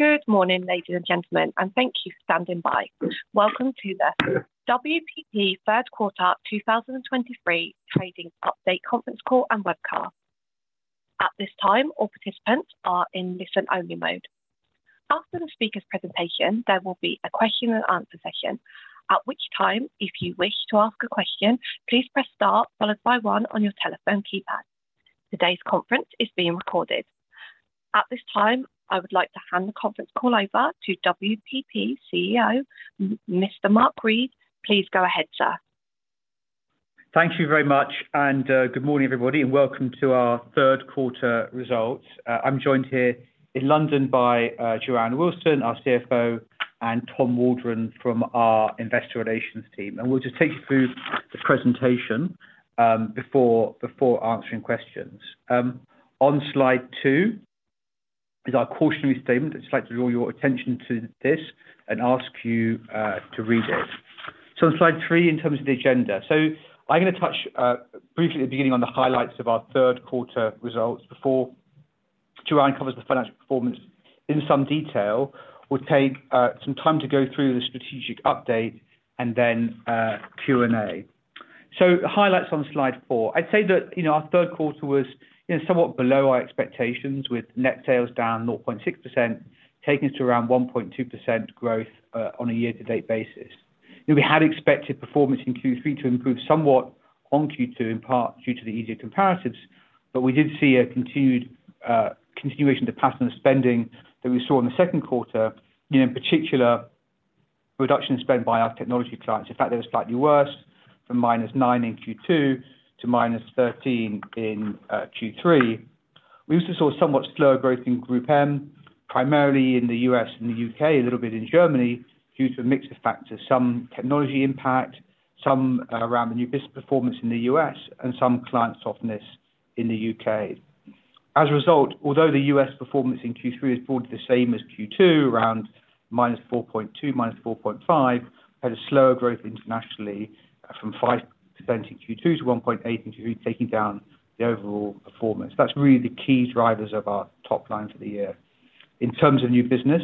Good morning, ladies and gentlemen, and thank you for standing by. Welcome to the WPP Third Quarter 2023 Trading Update Conference Call and Webcast. At this time, all participants are in listen-only mode. After the speaker's presentation, there will be a question and answer session, at which time, if you wish to ask a question, please press star followed by one on your telephone keypad. Today's conference is being recorded. At this time, I would like to hand the conference call over to WPP CEO, Mr. Mark Read. Please go ahead, sir. Thank you very much, and good morning, everybody, and welcome to our third quarter results. I'm joined here in London by Joanne Wilson, our CFO, and Tom Waldron from our Investor Relations team. We'll just take you through the presentation before answering questions. On slide two is our cautionary statement. I'd just like to draw your attention to this and ask you to read it. On slide three, in terms of the agenda. I'm going to touch briefly at the beginning on the highlights of our third quarter results before Joanne covers the financial performance in some detail. We'll take some time to go through the strategic update and then Q&A. Highlights on slide four. I'd say that, you know, our third quarter was, you know, somewhat below our expectations, with net sales down 0.6%, taking us to around 1.2% growth on a year-to-date basis. Now, we had expected performance in Q3 to improve somewhat on Q2, in part due to the easier comparatives, but we did see a continued continuation to pattern of spending that we saw in the second quarter, in particular, reduction in spend by our technology clients. In fact, that was slightly worse, from -9 in Q2 to -13 in Q3. We also saw somewhat slower growth in GroupM, primarily in the U.S. and the U.K., a little bit in Germany, due to a mix of factors, some technology impact, some around the new business performance in the U.S. and some client softness in the U.K. As a result, although the U.S. performance in Q3 is broadly the same as Q2, around -4.2, -4.5, had a slower growth internationally from 5% in Q2 to 1.8% in Q3, taking down the overall performance. That's really the key drivers of our top line for the year. In terms of new business,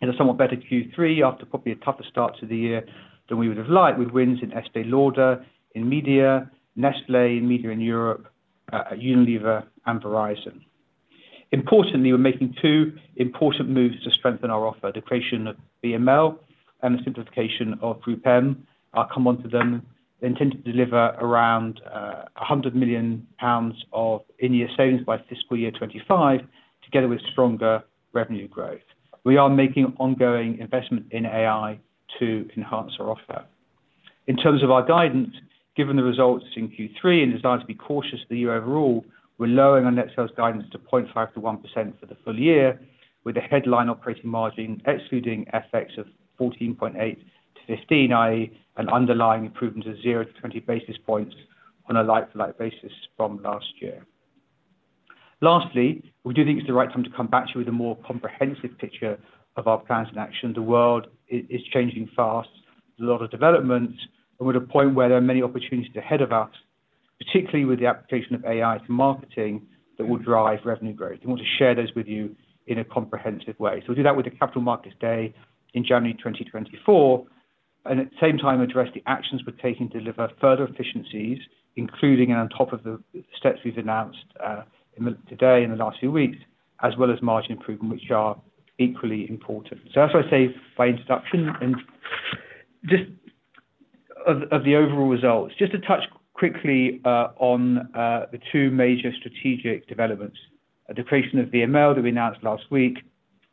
in a somewhat better Q3 after probably a tougher start to the year than we would have liked, with wins in Estée Lauder, in media, Nestlé, in media in Europe, Unilever, and Verizon. Importantly, we're making two important moves to strengthen our offer: the creation of VML and the simplification of GroupM. I'll come on to them. They intend to deliver around 100 million pounds of in-year savings by fiscal year 2025, together with stronger revenue growth. We are making ongoing investment in AI to enhance our offer. In terms of our guidance, given the results in Q3, and desire to be cautious for the year overall, we're lowering our net sales guidance to 0.5%-1% for the full year, with a headline operating margin, excluding effects of 14.8-15, i.e., an underlying improvement of 0-20 basis points on a like-for-like basis from last year. Lastly, we do think it's the right time to come back to you with a more comprehensive picture of our plans in action. The world is changing fast, a lot of developments, and we're at a point where there are many opportunities ahead of us, particularly with the application of AI to marketing that will drive revenue growth. We want to share those with you in a comprehensive way. So we'll do that with the Capital Markets Day in January 2024, and at the same time, address the actions we're taking to deliver further efficiencies, including and on top of the steps we've announced in the today in the last few weeks, as well as margin improvement, which are equally important. So as I say by introduction, and just of the overall results, just to touch quickly on the two major strategic developments, the creation of VML that we announced last week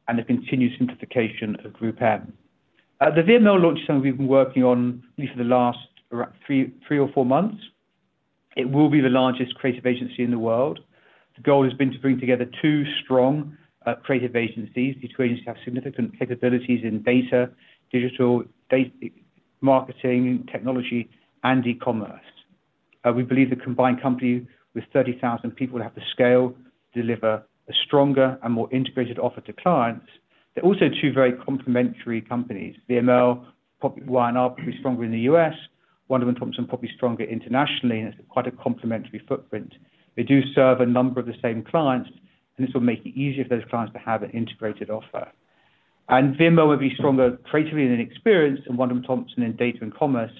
and the continued simplification of GroupM. The VML launch, something we've been working on at least for the last around three or four months. It will be the largest creative agency in the world. The goal has been to bring together two strong creative agencies. These two agencies have significant capabilities in data, digital, data, marketing, technology, and e-commerce. We believe the combined company with 30,000 people have the scale to deliver a stronger and more integrated offer to clients. They're also two very complementary companies. VMLY&R probably stronger in the U.S., Wunderman Thompson probably stronger internationally, and it's quite a complementary footprint. They do serve a number of the same clients, and this will make it easier for those clients to have an integrated offer. VML will be stronger creatively and in experience than Wunderman Thompson in data and commerce,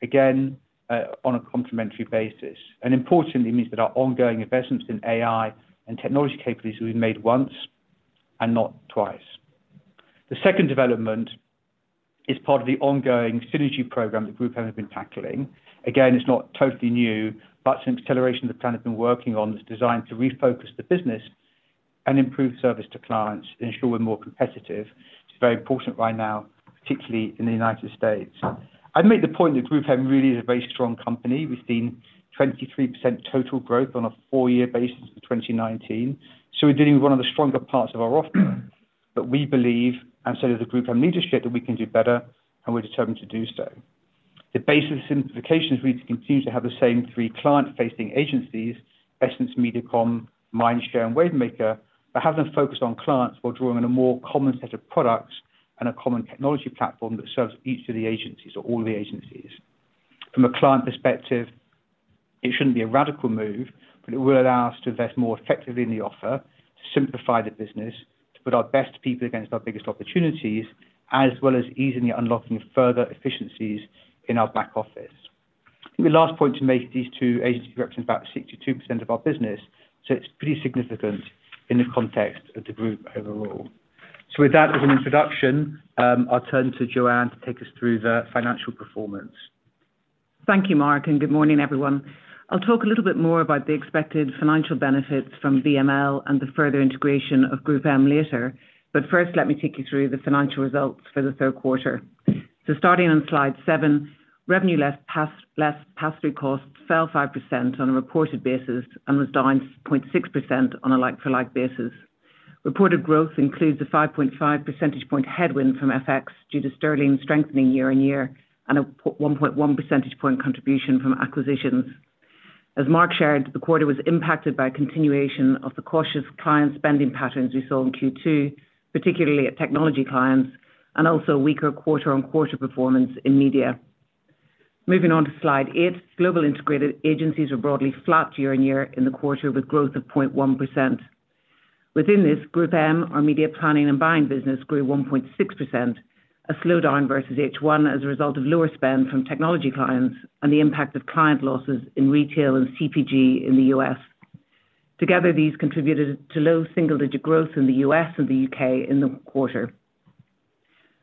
again, on a complementary basis. Importantly, it means that our ongoing investments in AI and technology capabilities will be made once and not twice. The second development is part of the ongoing synergy program that GroupM have been tackling. Again, it's not totally new, but it's an acceleration the plan have been working on that's designed to refocus the business and improve service to clients, ensure we're more competitive. It's very important right now, particularly in the United States. I'd make the point that GroupM really is a very strong company. We've seen 23% total growth on a four-year basis for 2019. So we're dealing with one of the stronger parts of our offer, but we believe, and so does the GroupM leadership, that we can do better, and we're determined to do so. The base of the simplifications, we continue to have the same three client-facing agencies, EssenceMediacom, Mindshare, and Wavemaker, but have them focused on clients while drawing on a more common set of products and a common technology platform that serves each of the agencies or all the agencies. From a client perspective. It shouldn't be a radical move, but it will allow us to invest more effectively in the offer, to simplify the business, to put our best people against our biggest opportunities, as well as easily unlocking further efficiencies in our back office. The last point to make, these two agency directions, about 62% of our business, so it's pretty significant in the context of the group overall. So with that, as an introduction, I'll turn to Joanne to take us through the financial performance. Thank you, Mark, and good morning, everyone. I'll talk a little bit more about the expected financial benefits from VML and the further integration of GroupM later. But first, let me take you through the financial results for the third quarter. So starting on slide seven, revenue less pass-through costs fell 5% on a reported basis and was down 0.6% on a like-for-like basis. Reported growth includes a 5.5 percentage point headwind from FX, due to sterling strengthening year-on-year, and a 1.1 percentage point contribution from acquisitions. As Mark shared, the quarter was impacted by a continuation of the cautious client spending patterns we saw in Q2, particularly at technology clients, and also weaker quarter-on-quarter performance in media. Moving on to slide eight. Global Integrated Agencies were broadly flat year-on-year in the quarter, with growth of 0.1%. Within this, GroupM, our media planning and buying business, grew 1.6%, a slowdown versus H1 as a result of lower spend from technology clients and the impact of client losses in retail and CPG in the U.S. Together, these contributed to low double single-digit growth in the U.S. and the U.K. in the quarter.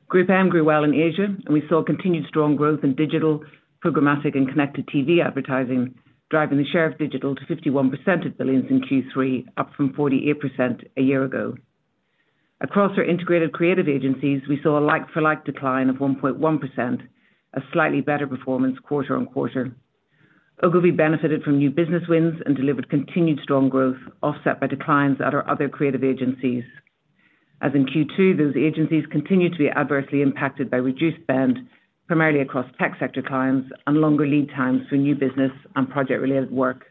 GroupM grew well in Asia, and we saw continued strong growth in digital, programmatic, and connected TV advertising, driving the share of digital to 51% of billings in Q3, up from 48% a year ago. Across our integrated creative agencies, we saw a like-for-like decline of 1.1%, a slightly better performance quarter-over-quarter. Ogilvy benefited from new business wins and delivered continued strong growth, offset by declines at our other creative agencies. As in Q2, those agencies continued to be adversely impacted by reduced spend, primarily across tech sector clients and longer lead times for new business and project-related work.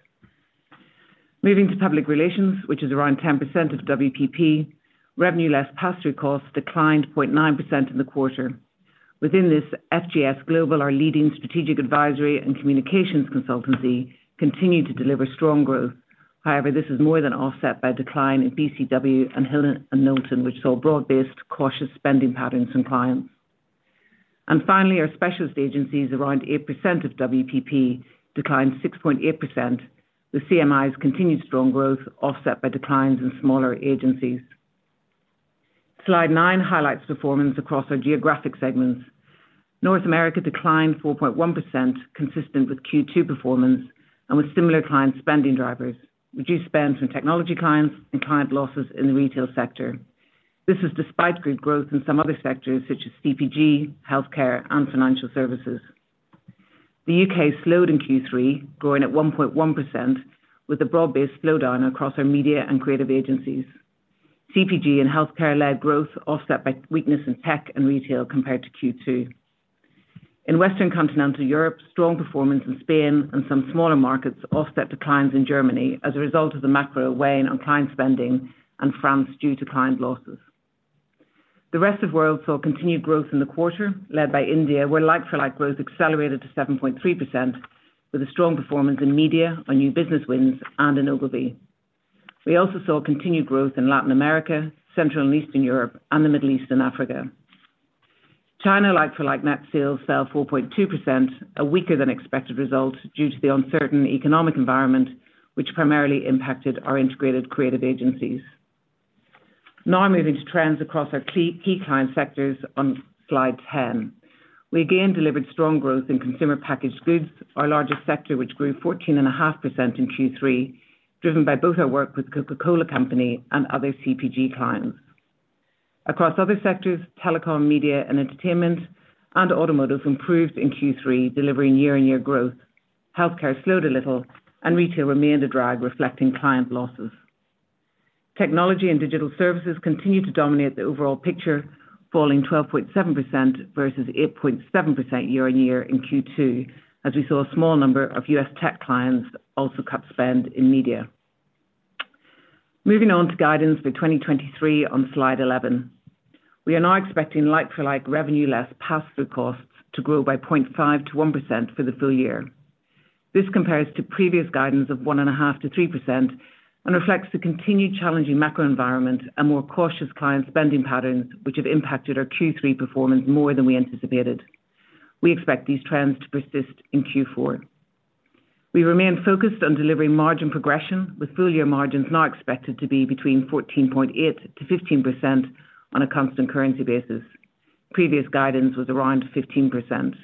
Moving to public relations, which is around 10% of WPP, revenue less pass-through costs declined 0.9% in the quarter. Within this, FGS Global, our leading strategic advisory and communications consultancy, continued to deliver strong growth. However, this is more than offset by a decline in BCW and Hill & Knowlton, which saw broad-based, cautious spending patterns in clients. And finally, our specialist agencies, around 8% of WPP, declined 6.8%, with CMI's continued strong growth offset by declines in smaller agencies. Slide nine highlights performance across our geographic segments. North America declined 4.1%, consistent with Q2 performance and with similar client spending drivers, reduced spend from technology clients, and client losses in the retail sector. This is despite good growth in some other sectors, such as CPG, healthcare, and financial services. The U.K. slowed in Q3, growing at 1.1%, with a broad-based slowdown across our media and creative agencies. CPG and healthcare-led growth offset by weakness in tech and retail compared to Q2. In Western Continental Europe, strong performance in Spain and some smaller markets offset declines in Germany as a result of the macro weakness on client spending and France due to client losses. The rest of world saw continued growth in the quarter, led by India, where like-for-like growth accelerated to 7.3%, with a strong performance in media, our new business wins, and in Ogilvy. We also saw continued growth in Latin America, Central and Eastern Europe, and the Middle East and Africa. China, like-for-like net sales fell 4.2%, a weaker than expected result due to the uncertain economic environment, which primarily impacted our Integrated Creative Agencies. Now moving to trends across our key, key client sectors on slide 10. We again delivered strong growth in consumer-packaged goods, our largest sector, which grew 14.5% in Q3, driven by both our work with the Coca-Cola Company and other CPG clients. Across other sectors, telecom, media and entertainment, and automotive improved in Q3, delivering year-on-year growth. Healthcare slowed a little, and retail remained a drag, reflecting client losses. Technology and digital services continued to dominate the overall picture, falling 12.7% versus 8.7% year-on-year in Q2, as we saw a small number of U.S. tech clients also cut spend in media. Moving on to guidance for 2023 on slide 11. We are now expecting like-for-like revenue, less pass-through costs, to grow by 0.5%-1% for the full year. This compares to previous guidance of 1.5%-3% and reflects the continued challenging macro environment and more cautious client spending patterns, which have impacted our Q3 performance more than we anticipated. We expect these trends to persist in Q4. We remain focused on delivering margin progression, with full-year margins now expected to be between 14.8%-15% on a constant currency basis. Previous guidance was around 15%.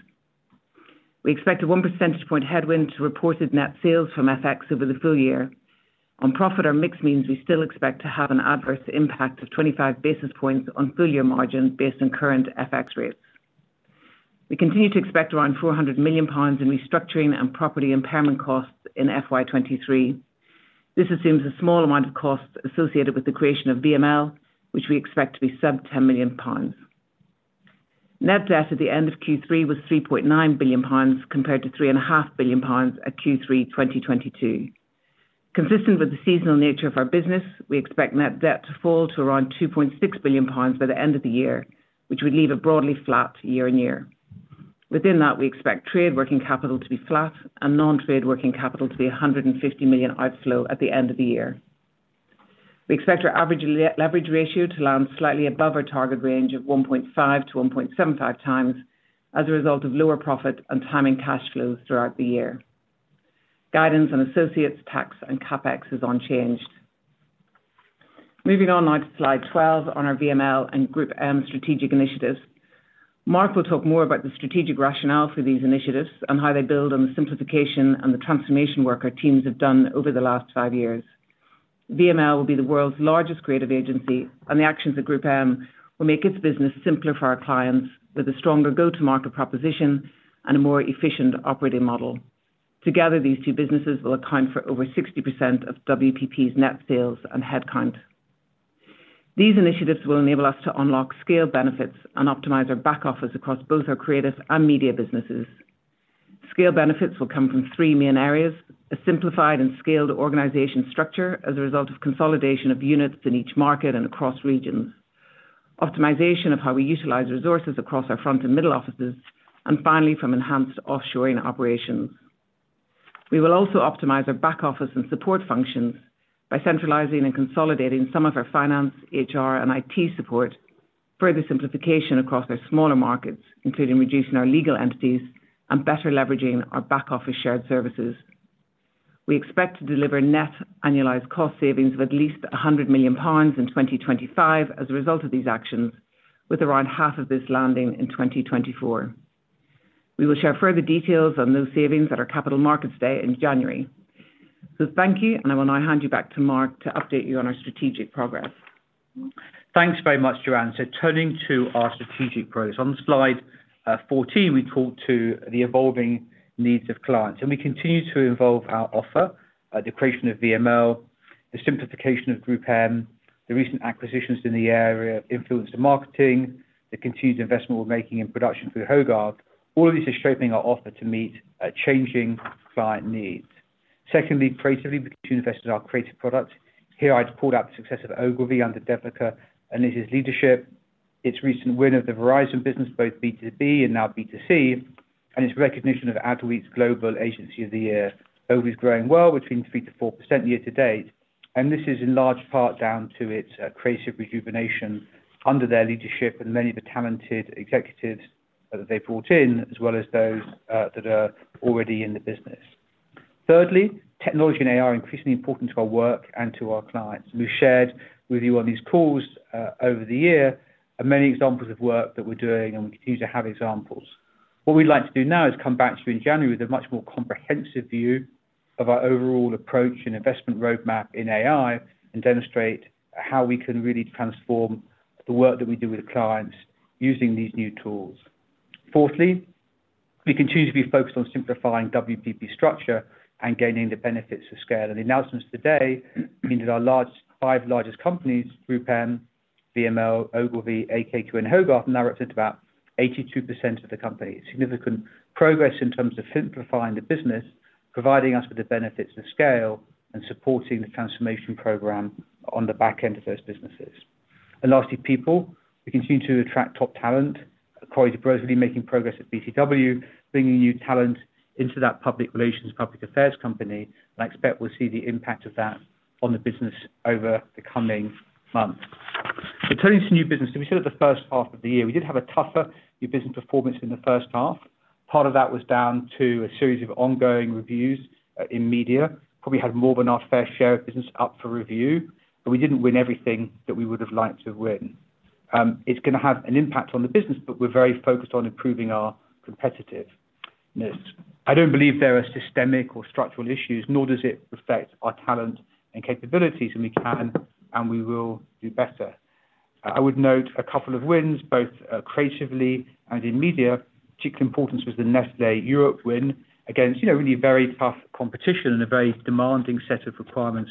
We expect a one percentage point headwind to reported net sales from FX over the full year. On profit, our mix means we still expect to have an adverse impact of 25 basis points on full year margin based on current FX rates. We continue to expect around 400 million pounds in restructuring and property impairment costs in FY 2023. This assumes a small amount of costs associated with the creation of VML, which we expect to be sub 10 million pounds. Net debt at the end of Q3 was 3.9 billion pounds, compared to 3.5 billion pounds at Q3 2022... Consistent with the seasonal nature of our business, we expect net debt to fall to around 2.6 billion pounds by the end of the year, which would leave it broadly flat year-on-year. Within that, we expect trade working capital to be flat and non-trade working capital to be 150 million outflow at the end of the year. We expect our average leverage ratio to land slightly above our target range of 1.5x-1.75x, as a result of lower profit and timing cash flows throughout the year. Guidance on associates, tax, and CapEx is unchanged. Moving on now to slide 12 on our VML and GroupM strategic initiatives. Mark will talk more about the strategic rationale for these initiatives and how they build on the simplification and the transformation work our teams have done over the last five years. VML will be the world's largest creative agency, and the actions of GroupM will make its business simpler for our clients, with a stronger go-to-market proposition and a more efficient operating model. Together, these two businesses will account for over 60% of WPP's net sales and headcount. These initiatives will enable us to unlock scale benefits and optimize our back office across both our creative and media businesses. Scale benefits will come from three main areas: a simplified and scaled organization structure as a result of consolidation of units in each market and across regions, optimization of how we utilize resources across our front and middle offices, and finally, from enhanced offshoring operations. We will also optimize our back office and support functions by centralizing and consolidating some of our Finance, HR, and IT support, further simplification across our smaller markets, including reducing our legal entities and better leveraging our back-office shared services. We expect to deliver net annualized cost savings of at least 100 million pounds in 2025 as a result of these actions, with around half of this landing in 2024. We will share further details on those savings at our Capital Markets Day in January. So thank you, and I will now hand you back to Mark to update you on our strategic progress. Thanks very much, Joanne. So turning to our strategic progress. On slide 14, we talked to the evolving needs of clients, and we continue to evolve our offer, the creation of VML, the simplification of GroupM, the recent acquisitions in the area of influencer marketing, the continued investment we're making in production through Hogarth. All of these are shaping our offer to meet changing client needs. Secondly, creatively, we continue to invest in our creative product. Here, I'd pulled out the success of Ogilvy under Devika and Lisa's leadership, its recent win of the Verizon business, both B2B and now B2C, and its recognition of Adweek's Global Agency of the Year. Ogilvy is growing well between 3%-4% year-to-date, and this is in large part down to its creative rejuvenation under their leadership and many of the talented executives that they brought in, as well as those that are already in the business. Thirdly, technology and AI are increasingly important to our work and to our clients. We've shared with you on these calls over the year of many examples of work that we're doing, and we continue to have examples. What we'd like to do now is come back to you in January with a much more comprehensive view of our overall approach and investment roadmap in AI, and demonstrate how we can really transform the work that we do with clients using these new tools. Fourthly, we continue to be focused on simplifying WPP structure and gaining the benefits of scale. The announcements today means that our five largest companies, GroupM, VML, Ogilvy, AKQA, and Hogarth, now represent about 82% of the company. Significant progress in terms of simplifying the business, providing us with the benefits of scale, and supporting the transformation program on the back end of those businesses. And lastly, people. We continue to attract top talent. Corey duBrowa is really making progress at BCW, bringing new talent into that public relations, public affairs company, and I expect we'll see the impact of that on the business over the coming months. So turning to new business, so we said at the first half of the year, we did have a tougher new business performance in the first half. Part of that was down to a series of ongoing reviews in media. Probably had more than our fair share of business up for review, but we didn't win everything that we would have liked to win. It's gonna have an impact on the business, but we're very focused on improving our competitiveness. I don't believe there are systemic or structural issues, nor does it affect our talent and capabilities, and we can, and we will do better. I would note a couple of wins, both creatively and in media. Particular importance was the Nestlé Europe win against, you know, really a very tough competition and a very demanding set of requirements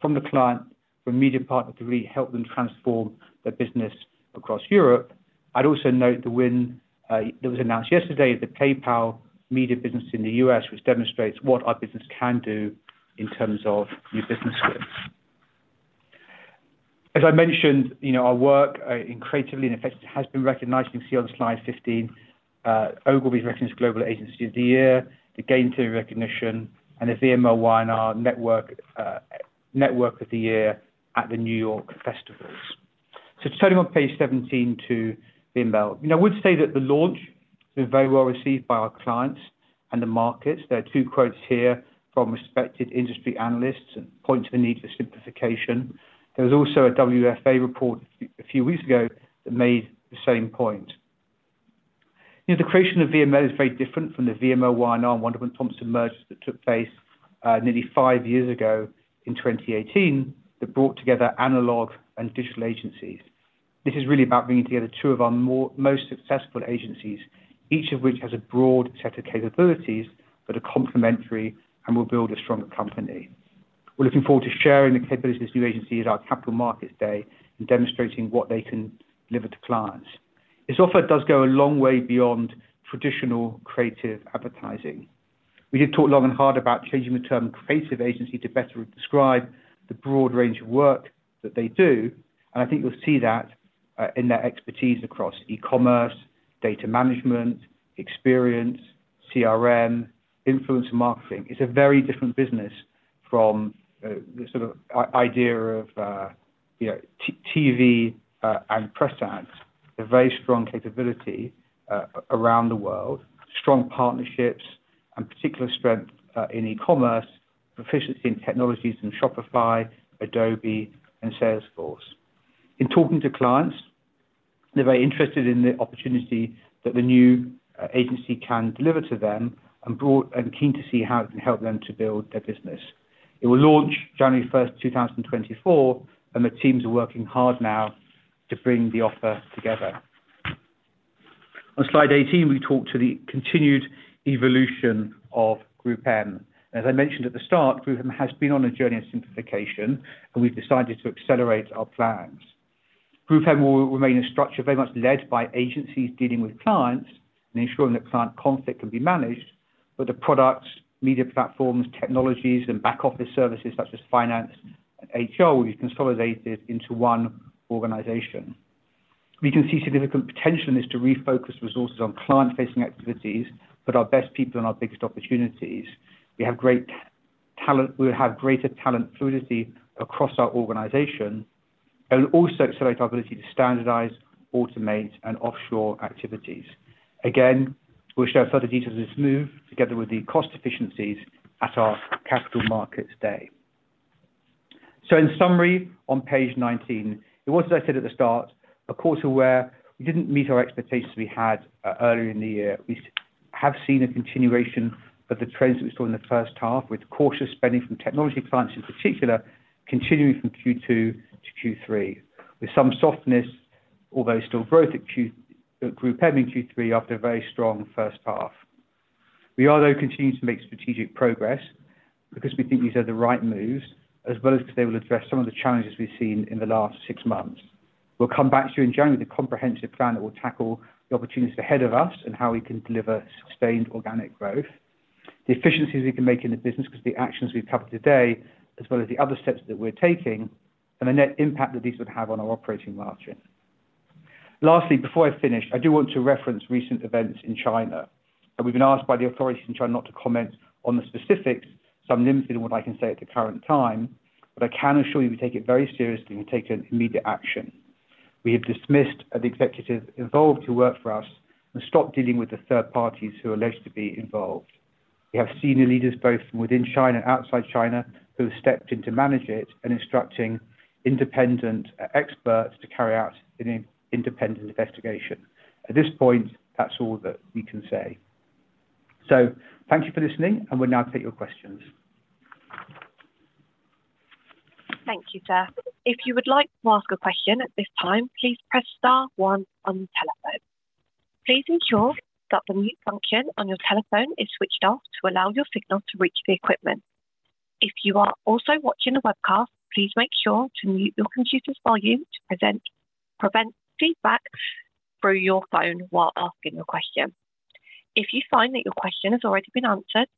from the client, from media partner, to really help them transform their business across Europe. I'd also note the win that was announced yesterday, the PayPal media business in the U.S., which demonstrates what our business can do in terms of new business wins. As I mentioned, you know, our work in creatively and effectively has been recognized. You can see on slide 15, Ogilvy's recognized as Global Agency of the Year, the gain to recognition, and the VMLY&R Network, Network of the Year at the New York Festivals. So turning on page 17 to VML. You know, I would say that the launch is very well received by our clients and the markets. There are two quotes here from respected industry analysts and point to the need for simplification. There was also a WFA report a few weeks ago that made the same point. You know, the creation of VML is very different from the VMLY&R, Wunderman Thompson merger that took place, nearly five years ago in 2018, that brought together analog and digital agencies. This is really about bringing together two of our more, most successful agencies, each of which has a broad set of capabilities that are complementary and will build a stronger company. We're looking forward to sharing the capabilities of this new agency at our Capital Markets Day and demonstrating what they can deliver to clients. This offer does go a long way beyond traditional creative advertising. We did talk long and hard about changing the term creative agency to better describe the broad range of work that they do, and I think you'll see that in their expertise across e-commerce, data management, experience, CRM, influencer marketing. It's a very different business from the sort of idea of, you know, TV, and press ads. A very strong capability around the world, strong partnerships, and particular strength in e-commerce, proficiency in technologies from Shopify, Adobe, and Salesforce. In talking to clients, they're very interested in the opportunity that the new agency can deliver to them and keen to see how it can help them to build their business. It will launch January 1, 2024, and the teams are working hard now to bring the offer together. On slide 18, we talk to the continued evolution of GroupM. As I mentioned at the start, GroupM has been on a journey of simplification, and we've decided to accelerate our plans. GroupM will remain a structure very much led by agencies dealing with clients and ensuring that client conflict can be managed, but the products, media platforms, technologies, and back office services such as finance and HR, will be consolidated into one organization. We can see significant potential in this to refocus resources on client-facing activities, put our best people on our biggest opportunities. We have great talent-- We'll have greater talent fluidity across our organization, and it'll also accelerate our ability to standardize, automate, and offshore activities. Again, we'll share further details of this move, together with the cost efficiencies at our Capital Markets Day. So in summary, on page 19, it was, as I said at the start, a quarter where we didn't meet our expectations we had earlier in the year. We have seen a continuation of the trends that we saw in the first half, with cautious spending from technology clients in particular, continuing from Q2 to Q3, with some softness, although still growth at GroupM in Q3 after a very strong first half. We are, though, continuing to make strategic progress because we think these are the right moves, as well as because they will address some of the challenges we've seen in the last six months. We'll come back to you in January with a comprehensive plan that will tackle the opportunities ahead of us and how we can deliver sustained organic growth, the efficiencies we can make in the business because the actions we've covered today, as well as the other steps that we're taking, and the net impact that these would have on our operating margin. Lastly, before I finish, I do want to reference recent events in China. We've been asked by the authorities in China not to comment on the specifics, so I'm limited in what I can say at the current time, but I can assure you we take it very seriously, and we've taken immediate action. We have dismissed the executive involved who worked for us and stopped dealing with the third parties who are alleged to be involved. We have senior leaders, both from within China and outside China, who have stepped in to manage it and instructing independent experts to carry out an independent investigation. At this point, that's all that we can say. So thank you for listening, and we'll now take your questions. Thank you, sir. If you would like to ask a question at this time, please press star one on the telephone. Please ensure that the mute function on your telephone is switched off to allow your signal to reach the equipment. If you are also watching the webcast, please make sure to mute your computer's volume to prevent feedback through your phone while asking your question. If you find that your question has already been answered,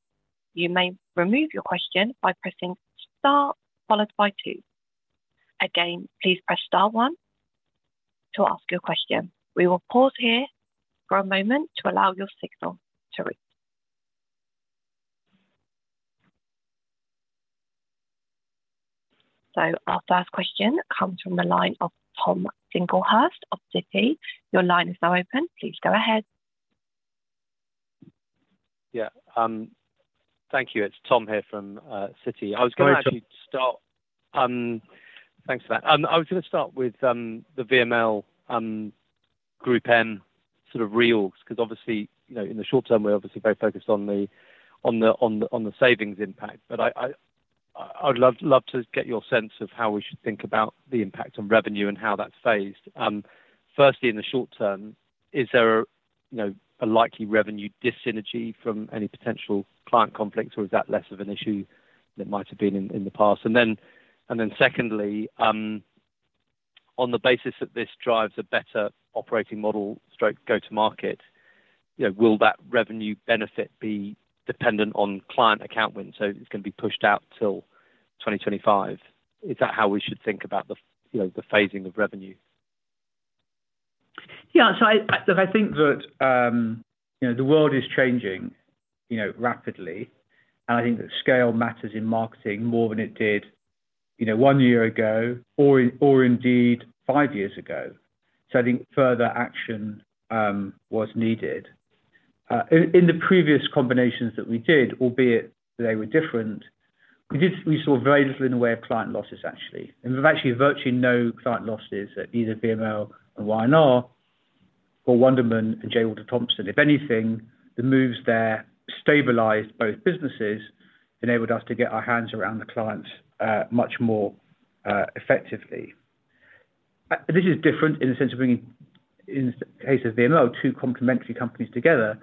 you may remove your question by pressing star followed by two. Again, please press star one to ask your question. We will pause here for a moment to allow your signal to reach. Our first question comes from the line of Tom Singlehurst of Citi. Your line is now open. Please go ahead. Yeah, thank you. It's Tom here from Citi. I was gonna actually start. Thanks for that. I was gonna start with the VML, GroupM sort of reorgs, 'cause obviously, you know, in the short term, we're obviously very focused on the savings impact. But I would love to get your sense of how we should think about the impact on revenue and how that's phased. Firstly, in the short term, is there a, you know, a likely revenue dyssynergy from any potential client conflicts, or is that less of an issue than it might have been in the past? And then secondly, on the basis that this drives a better operating model/go-to-market, you know, will that revenue benefit be dependent on client account wins, so it's gonna be pushed out till 2025? Is that how we should think about the, you know, the phasing of revenue? Yeah, so look, I think that, you know, the world is changing, you know, rapidly, and I think that scale matters in marketing more than it did, you know, one year ago or indeed, five years ago. So I think further action was needed. In the previous combinations that we did, albeit they were different, we saw very little in the way of client losses, actually. And there were actually virtually no client losses at either VML and Y&R or Wunderman and J. Walter Thompson. If anything, the moves there stabilized both businesses, enabled us to get our hands around the clients much more effectively. This is different in the sense of bringing, in the case of VML, two complementary companies together.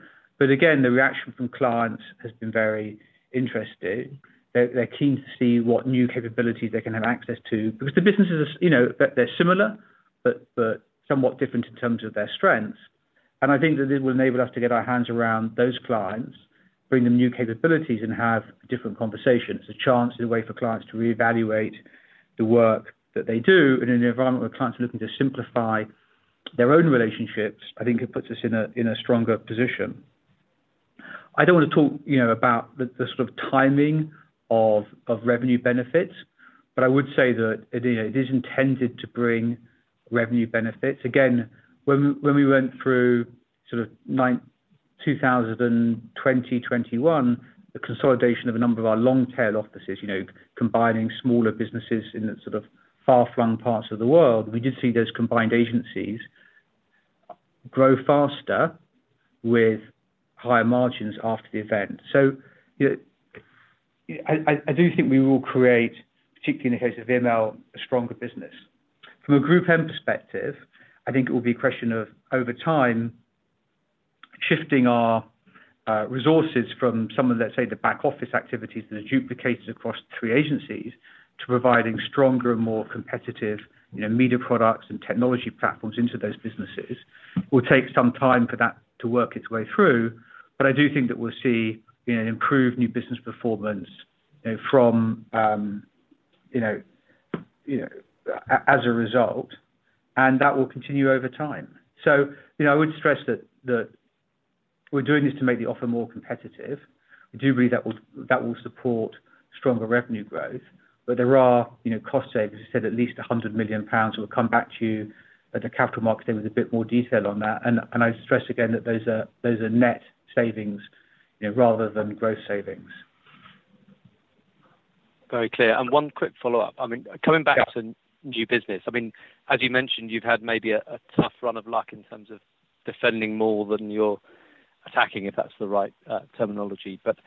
But again, the reaction from clients has been very interesting. They're keen to see what new capabilities they can have access to, because the businesses are you know, they're similar, but somewhat different in terms of their strengths. And I think that this will enable us to get our hands around those clients, bring them new capabilities, and have different conversations. A chance and a way for clients to reevaluate the work that they do, and in an environment where clients are looking to simplify their own relationships, I think it puts us in a stronger position. I don't want to talk, you know, about the sort of timing of revenue benefits, but I would say that it is intended to bring revenue benefits. Again, when we went through sort of 2021, the consolidation of a number of our long tail offices, you know, combining smaller businesses in the sort of far-flung parts of the world, we did see those combined agencies grow faster with higher margins after the event. So, you know, I do think we will create, particularly in the case of VML, a stronger business. From a GroupM perspective, I think it will be a question of, over time, shifting our resources from some of, let's say, the back office activities that are duplicated across three agencies to providing stronger and more competitive, you know, media products and technology platforms into those businesses. It will take some time for that to work its way through, but I do think that we'll see, you know, improved new business performance, you know, from, you know, as a result, and that will continue over time. So, you know, I would stress that we're doing this to make the offer more competitive. We do believe that will support stronger revenue growth, but there are, you know, cost savings. I said at least 100 million pounds will come back to you. At the capital market there was a bit more detail on that. And I stress again that those are, those are net savings, you know, rather than gross savings. Very clear. One quick follow-up. I mean, coming back to new business, I mean, as you mentioned, you've had maybe a tough run of luck in terms of defending more than you're attacking, if that's the right terminology. But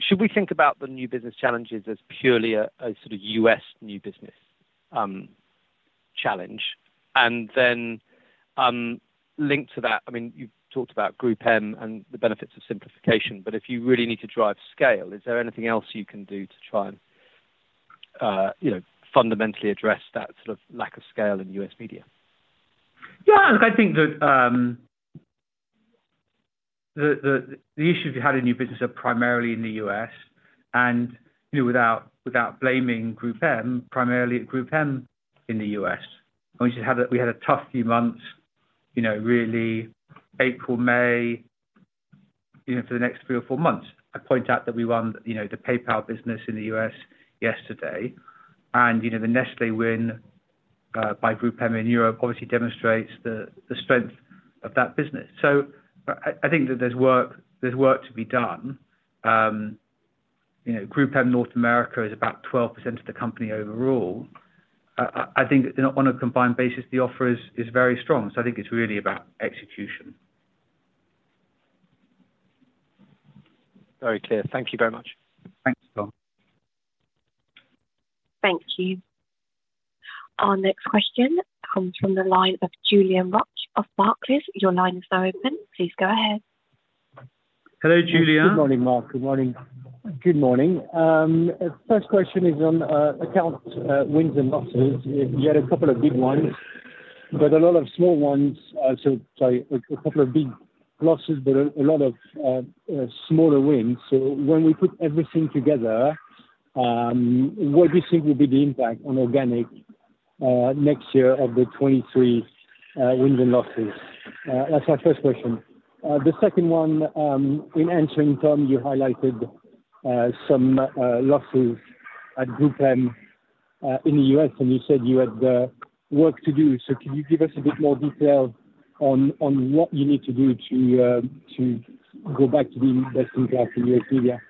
should we think about the new business challenges as purely a sort of U.S. new business challenge? And then, linked to that, I mean, you've talked about GroupM and the benefits of simplification, but if you really need to drive scale, is there anything else you can do to try and, you know, fundamentally address that sort of lack of scale in U.S. media? Yeah, look, I think that the issues we had in new business are primarily in the U.S., and, you know, without blaming GroupM, primarily at GroupM in the U.S. I want you to have that we had a tough few months, you know, really April, May, you know, for the next three or four months. I point out that we won, you know, the PayPal business in the U.S. yesterday, and, you know, the Nestlé win by GroupM in Europe obviously demonstrates the strength of that business. So I think that there's work, there's work to be done. You know, GroupM North America is about 12% of the company overall. I think that, you know, on a combined basis, the offer is very strong, so I think it's really about execution. Very clear. Thank you very much. Thanks, Tom. Thank you. Our next question comes from the line of Julien Roch of Barclays. Your line is now open. Please go ahead. Hello, Julien. Good morning, Mark. Good morning. Good morning. First question is on account wins and losses. You had a couple of big ones, but a lot of small ones. A couple of big losses, but a lot of smaller wins. So when we put everything together, what do you think will be the impact on organic next year of the 2023 wins and losses? That's my first question. The second one, in answering, Tom, you highlighted some losses at GroupM in the U.S., and you said you had work to do. So can you give us a bit more detail on what you need to do to go back to the investing class in U.S. media?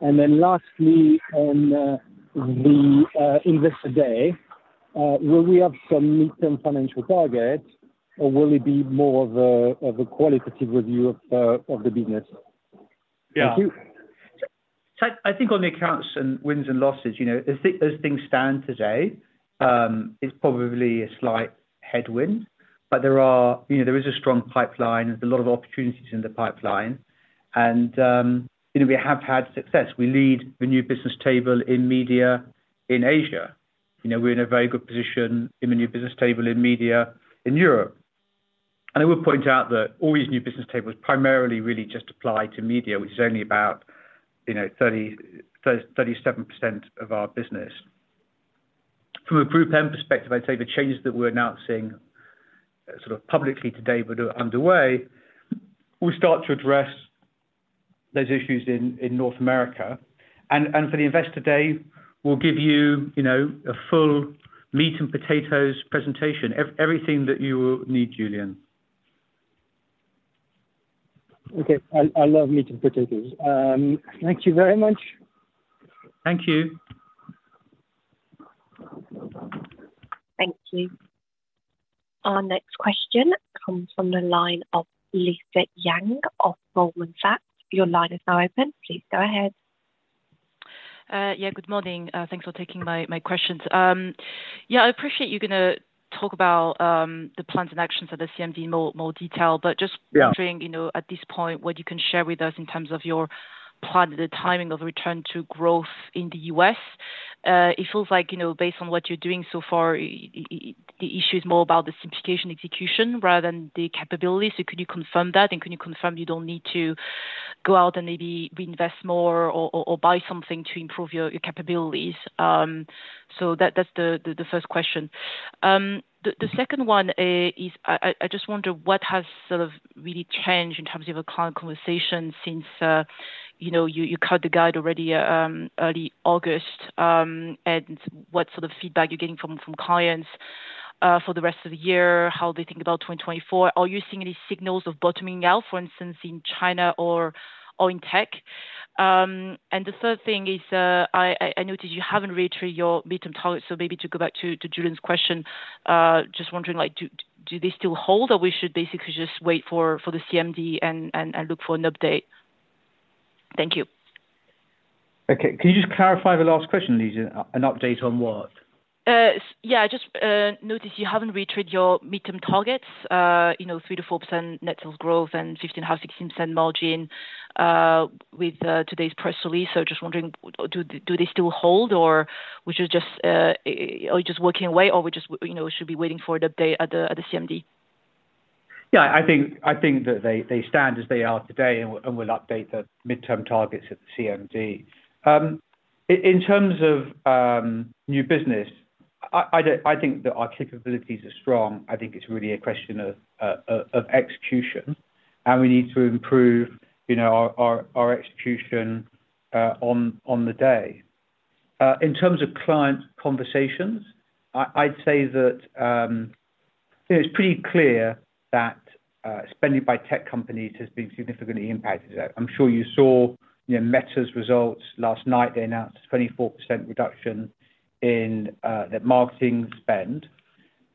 Then lastly, on the Investor Day, will we have some midterm financial targets, or will it be more of a qualitative review of the business? Yeah. Thank you. So I think on the accounts and wins and losses, you know, as things stand today, it's probably a slight headwind, but there are... You know, there is a strong pipeline. There's a lot of opportunities in the pipeline and, you know, we have had success. We lead the new business table in media in Asia. You know, we're in a very good position in the new business table in media in Europe. And I would point out that all these new business tables primarily really just apply to media, which is only about, you know, 37% of our business. From a GroupM perspective, I'd say the changes that we're now seeing sort of publicly today, but are underway, we start to address those issues in North America. For the Investor Day, we'll give you, you know, a full meat and potatoes presentation. Everything that you will need, Julien. Okay. I love meat and potatoes. Thank you very much. Thank you. Thank you. Our next question comes from the line of Lisa Yang of Goldman Sachs. Your line is now open. Please go ahead. Yeah, good morning. Thanks for taking my questions. Yeah, I appreciate you're gonna talk about the plans and actions of the CMD in more detail. Yeah. Just wondering, you know, at this point, what you can share with us in terms of your plan, the timing of return to growth in the U.S.? It feels like, you know, based on what you're doing so far, the issue is more about the simplification execution rather than the capability. So could you confirm that? And can you confirm you don't need to go out and maybe reinvest more or buy something to improve your capabilities? So that's the first question. The second one is I just wonder what has sort of really changed in terms of a client conversation since, you know, you cut the guide already, early August? And what sort of feedback you're getting from clients for the rest of the year? How they think about 2024. Are you seeing any signals of bottoming out, for instance, in China or in tech? And the third thing is, I noticed you haven't reiterated your midterm targets, so maybe to go back to Julien's question, just wondering, like, do they still hold, or we should basically just wait for the CMD and look for an update? Thank you. Okay. Can you just clarify the last question, Lisa? An update on what? Yeah, just noticed you haven't reiterated your midterm targets, you know, 3%-4% net sales growth and 15.5%, 16% margin, with today's press release. So just wondering, do they still hold, or should we just, are we just working away, or we just, you know, should be waiting for the update at the CMD? Yeah, I think that they stand as they are today and we'll update the midterm targets at the CMD. In terms of new business, I don't think that our capabilities are strong. I think it's really a question of execution, and we need to improve, you know, our execution on the day. In terms of client conversations, I'd say that it's pretty clear that spending by tech companies has been significantly impacted. I'm sure you saw, you know, Meta's results last night. They announced 24% reduction in their marketing spend,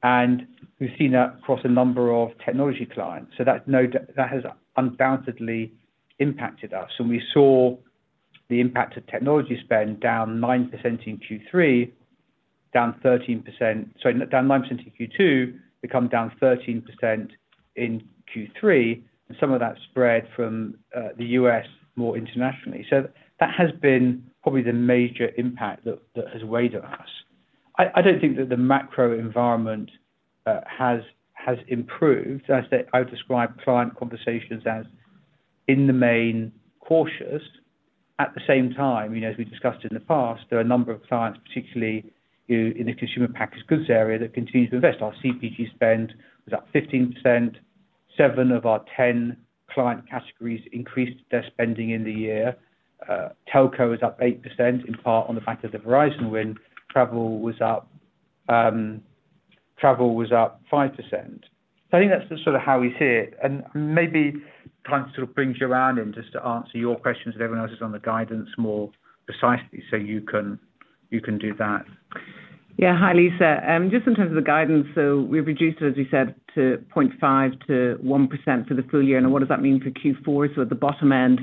and we've seen that across a number of technology clients. So that no doubt has undoubtedly impacted us. And we saw the impact of technology spend down 9% in Q3, down 13%... Sorry, down 9% in Q2, become down 13% in Q3, and some of that spread from the U.S. more internationally. So that has been probably the major impact that has weighed on us. I don't think that the macro environment has improved. As I said, I would describe client conversations as, in the main, cautious. At the same time, you know, as we discussed in the past, there are a number of clients, particularly in the consumer packaged goods area, that continue to invest. Our CPG spend was up 15%. Seven of our 10 client categories increased their spending in the year. Telco is up 8%, in part on the fact of the Verizon win. Travel was up, travel was up 5%. So I think that's just sort of how we see it. Maybe kind of sort of bring Joanne in, just to answer your questions and everyone else's on the guidance more precisely, so you can, you can do that. Yeah. Hi, Lisa. Just in terms of the guidance, so we've reduced it, as we said, to 0.5%-1% for the full year. And what does that mean for Q4? So at the bottom end,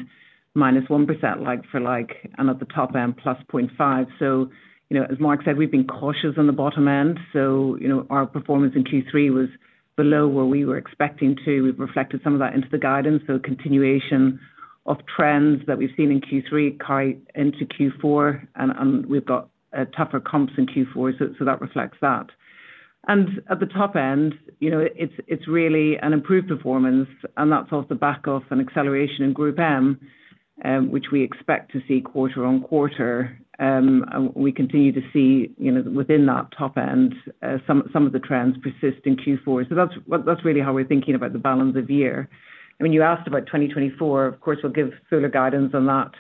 -1%, like-for-like, and at the top end, +0.5%. So, you know, as Mark said, we've been cautious on the bottom end. So, you know, our performance in Q3 was below where we were expecting to. We've reflected some of that into the guidance, so a continuation of trends that we've seen in Q3 carry into Q4, and, and we've got a tougher comps in Q4, so, so that reflects that. And at the top end, you know, it's, it's really an improved performance, and that's off the back of an acceleration in GroupM, which we expect to see quarter-on-quarter. We continue to see, you know, within that top end, some of the trends persist in Q4. That's really how we're thinking about the balance of the year. I mean, you asked about 2024. Of course, we'll give fuller guidance on that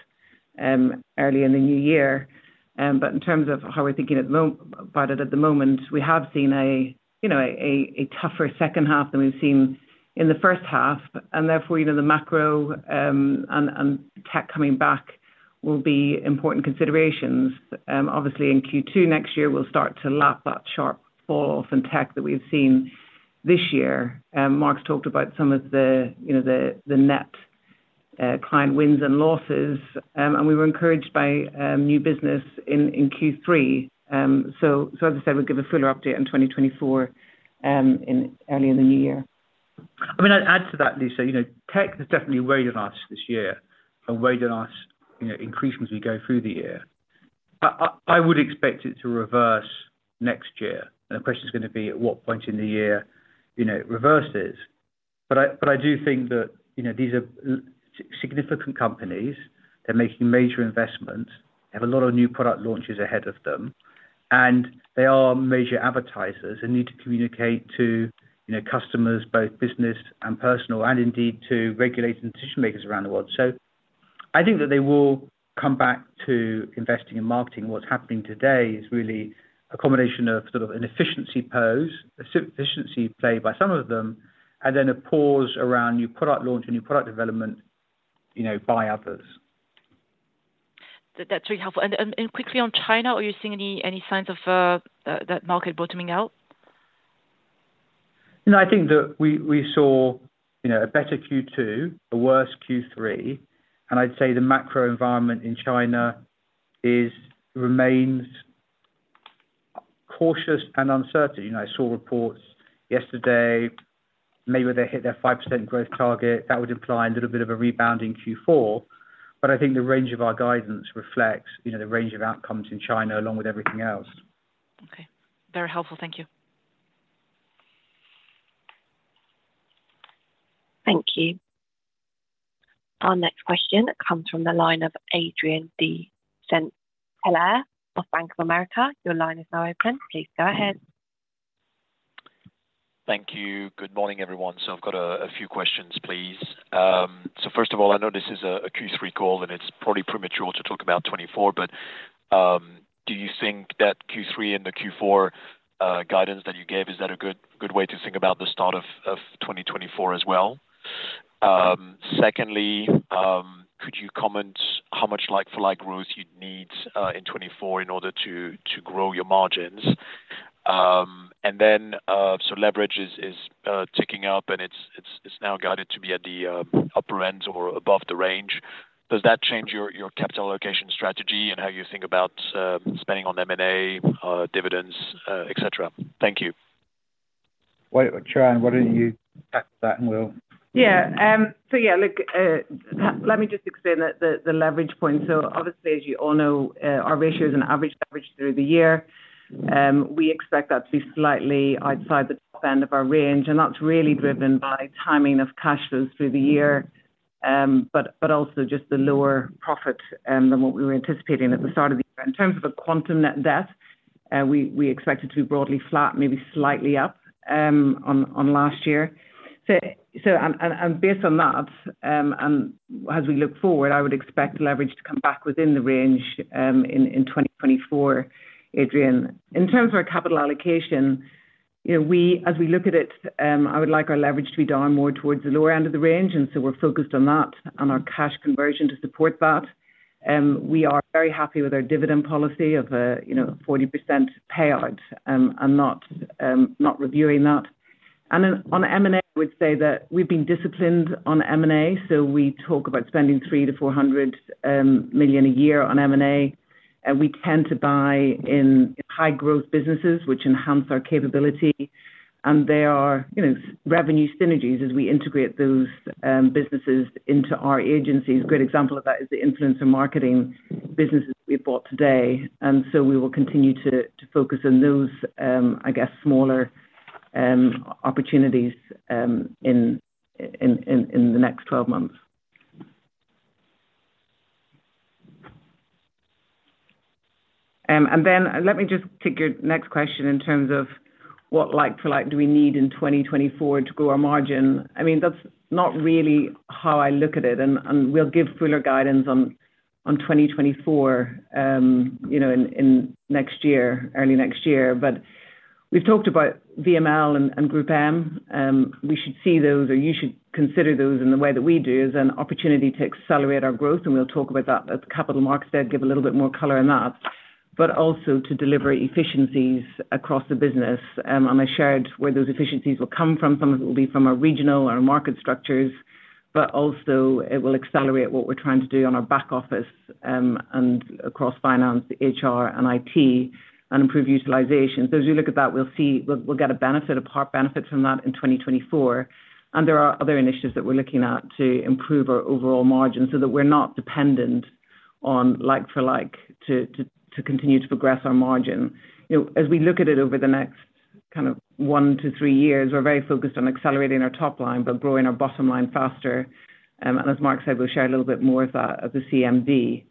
early in the new year. But in terms of how we're thinking about it at the moment, we have seen, you know, a tougher second half than we've seen in the first half, and therefore, you know, the macro and tech coming back will be important considerations. Obviously, in Q2 next year, we'll start to lap that sharp fall-off in tech that we've seen this year. Mark's talked about some of the, you know, the net client wins and losses. We were encouraged by new business in Q3. So as I said, we'll give a fuller update on 2024 in early in the new year. I mean, I'd add to that, Lisa, you know, tech has definitely weighed on us this year and weighed on us, you know, increased as we go through the year. I would expect it to reverse next year, and the question is gonna be at what point in the year, you know, it reverses. But I do think that, you know, these are significant companies. They're making major investments, have a lot of new product launches ahead of them, and they are major advertisers and need to communicate to, you know, customers, both business and personal, and indeed to regulators and decision-makers around the world. So I think that they will come back to investing in marketing. What's happening today is really a combination of sort of an efficiency push, efficiency play by some of them, and then a pause around new product launch and new product development, you know, by others. That's really helpful. And quickly on China, are you seeing any signs of that market bottoming out? You know, I think that we saw, you know, a better Q2, a worse Q3, and I'd say the macro environment in China is, remains... cautious and uncertain. You know, I saw reports yesterday, maybe where they hit their 5% growth target, that would imply a little bit of a rebound in Q4. But I think the range of our guidance reflects, you know, the range of outcomes in China, along with everything else. Okay. Very helpful. Thank you. Thank you. Our next question comes from the line of Adrien de Saint Hilaire of Bank of America. Your line is now open. Please go ahead. Thank you. Good morning, everyone. So I've got a few questions, please. So first of all, I know this is a Q3 call, and it's probably premature to talk about 2024, but do you think that Q3 and the Q4 guidance that you gave is that a good way to think about the start of 2024 as well? Secondly, could you comment how much like-for-like growth you'd need in 2024 in order to grow your margins? And then, so leverage is ticking up, and it's now guided to be at the upper end or above the range. Does that change your capital allocation strategy and how you think about spending on M&A, dividends, et cetera? Thank you. Wait, Joanne, why don't you tackle that, and we'll- Look, let me just explain the leverage point. So obviously, as you all know, our ratio is an average through the year. We expect that to be slightly outside the top end of our range, and that's really driven by timing of cash flows through the year, but also just the lower profit than what we were anticipating at the start of the year. In terms of a quantum net debt, we expect it to be broadly flat, maybe slightly up, on last year. Based on that, and as we look forward, I would expect the leverage to come back within the range, in 2024, Adrien. In terms of our capital allocation, you know, we, as we look at it, I would like our leverage to be down more towards the lower end of the range, and so we're focused on that and our cash conversion to support that. We are very happy with our dividend policy of a, you know, 40% payout, and not reviewing that. And then on M&A, I would say that we've been disciplined on M&A, so we talk about spending 300 million-400 million a year on M&A, and we tend to buy in high growth businesses, which enhance our capability. And there are, you know, revenue synergies as we integrate those businesses into our agencies. Great example of that is the influence of marketing businesses we've bought today, and so we will continue to focus on those, I guess, smaller opportunities in the next 12 months. And then let me just take your next question in terms of what like-for-like, do we need in 2024 to grow our margin? I mean, that's not really how I look at it, and we'll give fuller guidance on 2024, you know, in next year, early next year. But we've talked about VML and GroupM, we should see those, or you should consider those in the way that we do, as an opportunity to accelerate our growth, and we'll talk about that at the capital markets day, give a little bit more color on that, but also to deliver efficiencies across the business. I shared where those efficiencies will come from. Some of it will be from a regional or market structures, but also it will accelerate what we're trying to do on our back office, and across Finance, HR, and IT, and improve utilization. So as you look at that, we'll get a benefit, a part benefit from that in 2024. There are other initiatives that we're looking at to improve our overall margin so that we're not dependent on like-for-like to continue to progress our margin. You know, as we look at it over the next kind of one to three years, we're very focused on accelerating our top line, but growing our bottom line faster. And as Mark said, we'll share a little bit more of that at the CMV.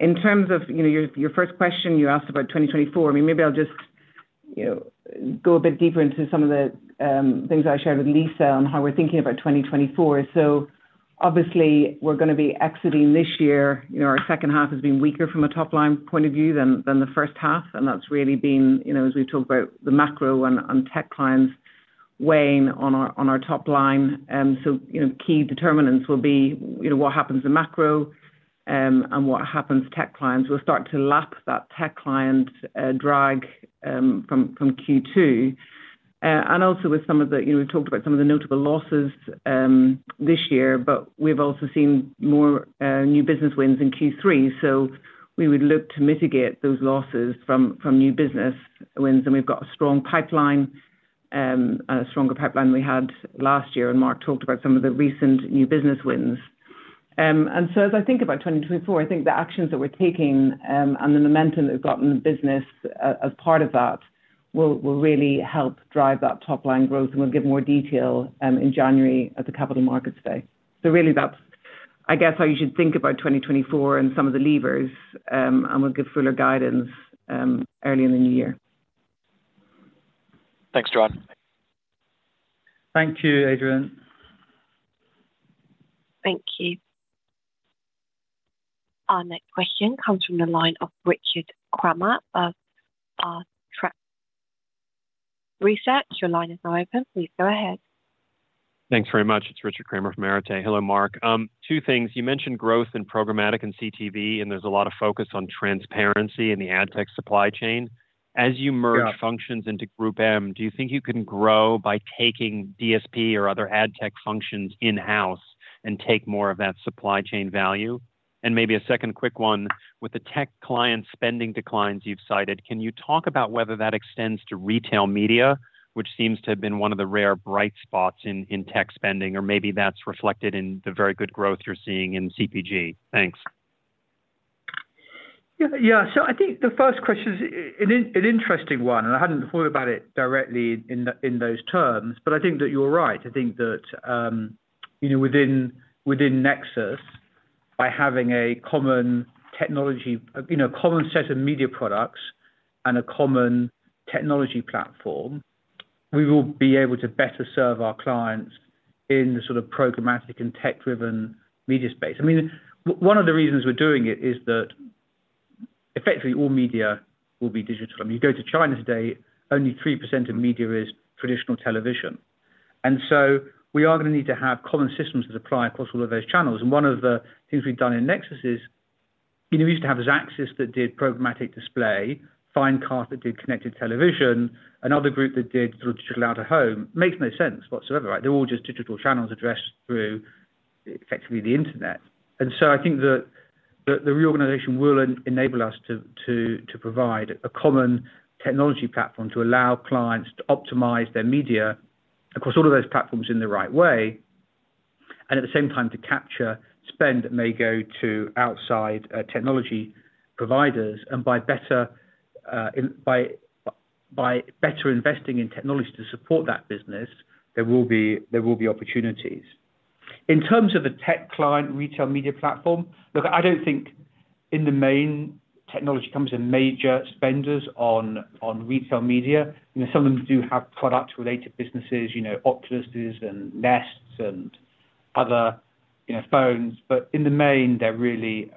In terms of, you know, your first question, you asked about 2024. I mean, maybe I'll just, you know, go a bit deeper into some of the things I shared with Lisa on how we're thinking about 2024. So obviously, we're gonna be exiting this year. You know, our second half has been weaker from a top-line point of view than the first half, and that's really been, you know, as we talk about the macro and tech clients weighing on our top line. So, you know, key determinants will be, you know, what happens in macro, and what happens to tech clients. We'll start to lap that tech client drag from Q2. And also with some of the... You know, we've talked about some of the notable losses this year, but we've also seen more new business wins in Q3, so we would look to mitigate those losses from new business wins. And we've got a strong pipeline, a stronger pipeline than we had last year, and Mark talked about some of the recent new business wins. And so as I think about 2024, I think the actions that we're taking, and the momentum that we've got in the business as part of that, will really help drive that top-line growth, and we'll give more detail in January at the capital markets day. So really, that's, I guess, how you should think about 2024 and some of the levers, and we'll give fuller guidance early in the new year. Thanks, Joanne. Thank you, Adrien. Thank you. Our next question comes from the line of Richard Kramer of Arete Research. Your line is now open. Please go ahead. Thanks very much. It's Richard Kramer from Arete. Hello, Mark. Two things. You mentioned growth in programmatic and CTV, and there's a lot of focus on transparency in the ad tech supply chain. Yeah. As you merge functions into GroupM, do you think you can grow by taking DSP or other ad tech functions in-house and take more of that supply chain value? And maybe a second quick one: With the tech client spending declines you've cited, can you talk about whether that extends to retail media, which seems to have been one of the rare bright spots in tech spending, or maybe that's reflected in the very good growth you're seeing in CPG? Thanks. Yeah. Yeah, so I think the first question is an interesting one, and I hadn't thought about it directly in those terms, but I think that you're right. I think that, you know, within Nexus, by having a common technology, you know, a common set of media products and a common technology platform, we will be able to better serve our clients in the sort of programmatic and tech-driven media space. I mean, one of the reasons we're doing it is that effectively all media will be digital. I mean, you go to China today, only 3% of media is traditional television. And so we are going to need to have common systems that apply across all of those channels. And one of the things we've done in Nexus is, you know, we used to have Xaxis that did programmatic display, Finecast that did connected television, another group that did digital out-of-home. Makes no sense whatsoever, right? They're all just digital channels addressed through effectively the Internet. And so I think that the reorganization will enable us to provide a common technology platform to allow clients to optimize their media across all of those platforms in the right way, and at the same time, to capture spend that may go to outside technology providers. And by better investing in technology to support that business, there will be opportunities. In terms of the tech client retail media platform, look, I don't think in the main technology comes in major spenders on retail media. You know, some of them do have product-related businesses, you know, Oculuses and Nests and other, you know, phones. But in the main, they're really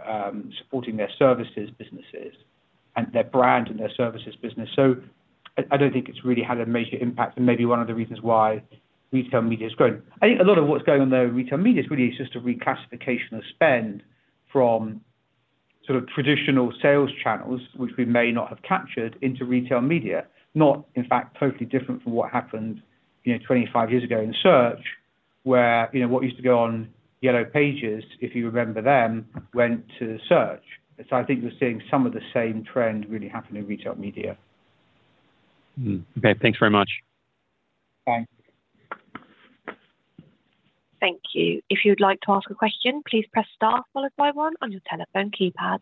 supporting their services businesses and their brand and their services business. So I don't think it's really had a major impact and maybe one of the reasons why retail media is growing. I think a lot of what's going on, though, in retail media is really just a reclassification of spend from sort of traditional sales channels, which we may not have captured, into retail media. Not, in fact, totally different from what happened, you know, 25 years ago in search, where, you know, what used to go on Yellow Pages, if you remember them, went to search. So I think we're seeing some of the same trend really happening in retail media. Okay, thanks very much. Thanks. Thank you. If you'd like to ask a question, please press star followed by one on your telephone keypad.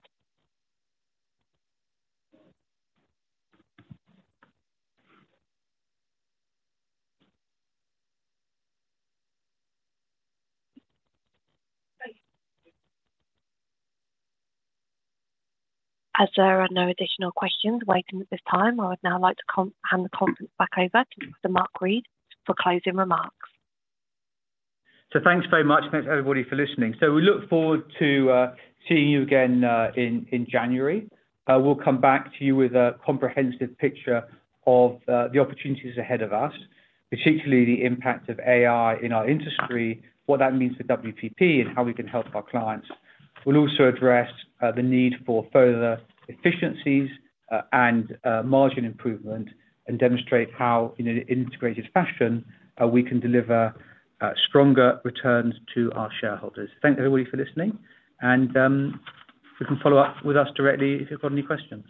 As there are no additional questions waiting at this time, I would now like to hand the conference back over to Mark Read for closing remarks. Thanks very much. Thanks, everybody, for listening. We look forward to seeing you again in January. We'll come back to you with a comprehensive picture of the opportunities ahead of us, particularly the impact of AI in our industry, what that means for WPP, and how we can help our clients. We'll also address the need for further efficiencies, and margin improvement and demonstrate how, in an integrated fashion, how we can deliver stronger returns to our shareholders. Thank you, everybody, for listening, and you can follow up with us directly if you've got any questions.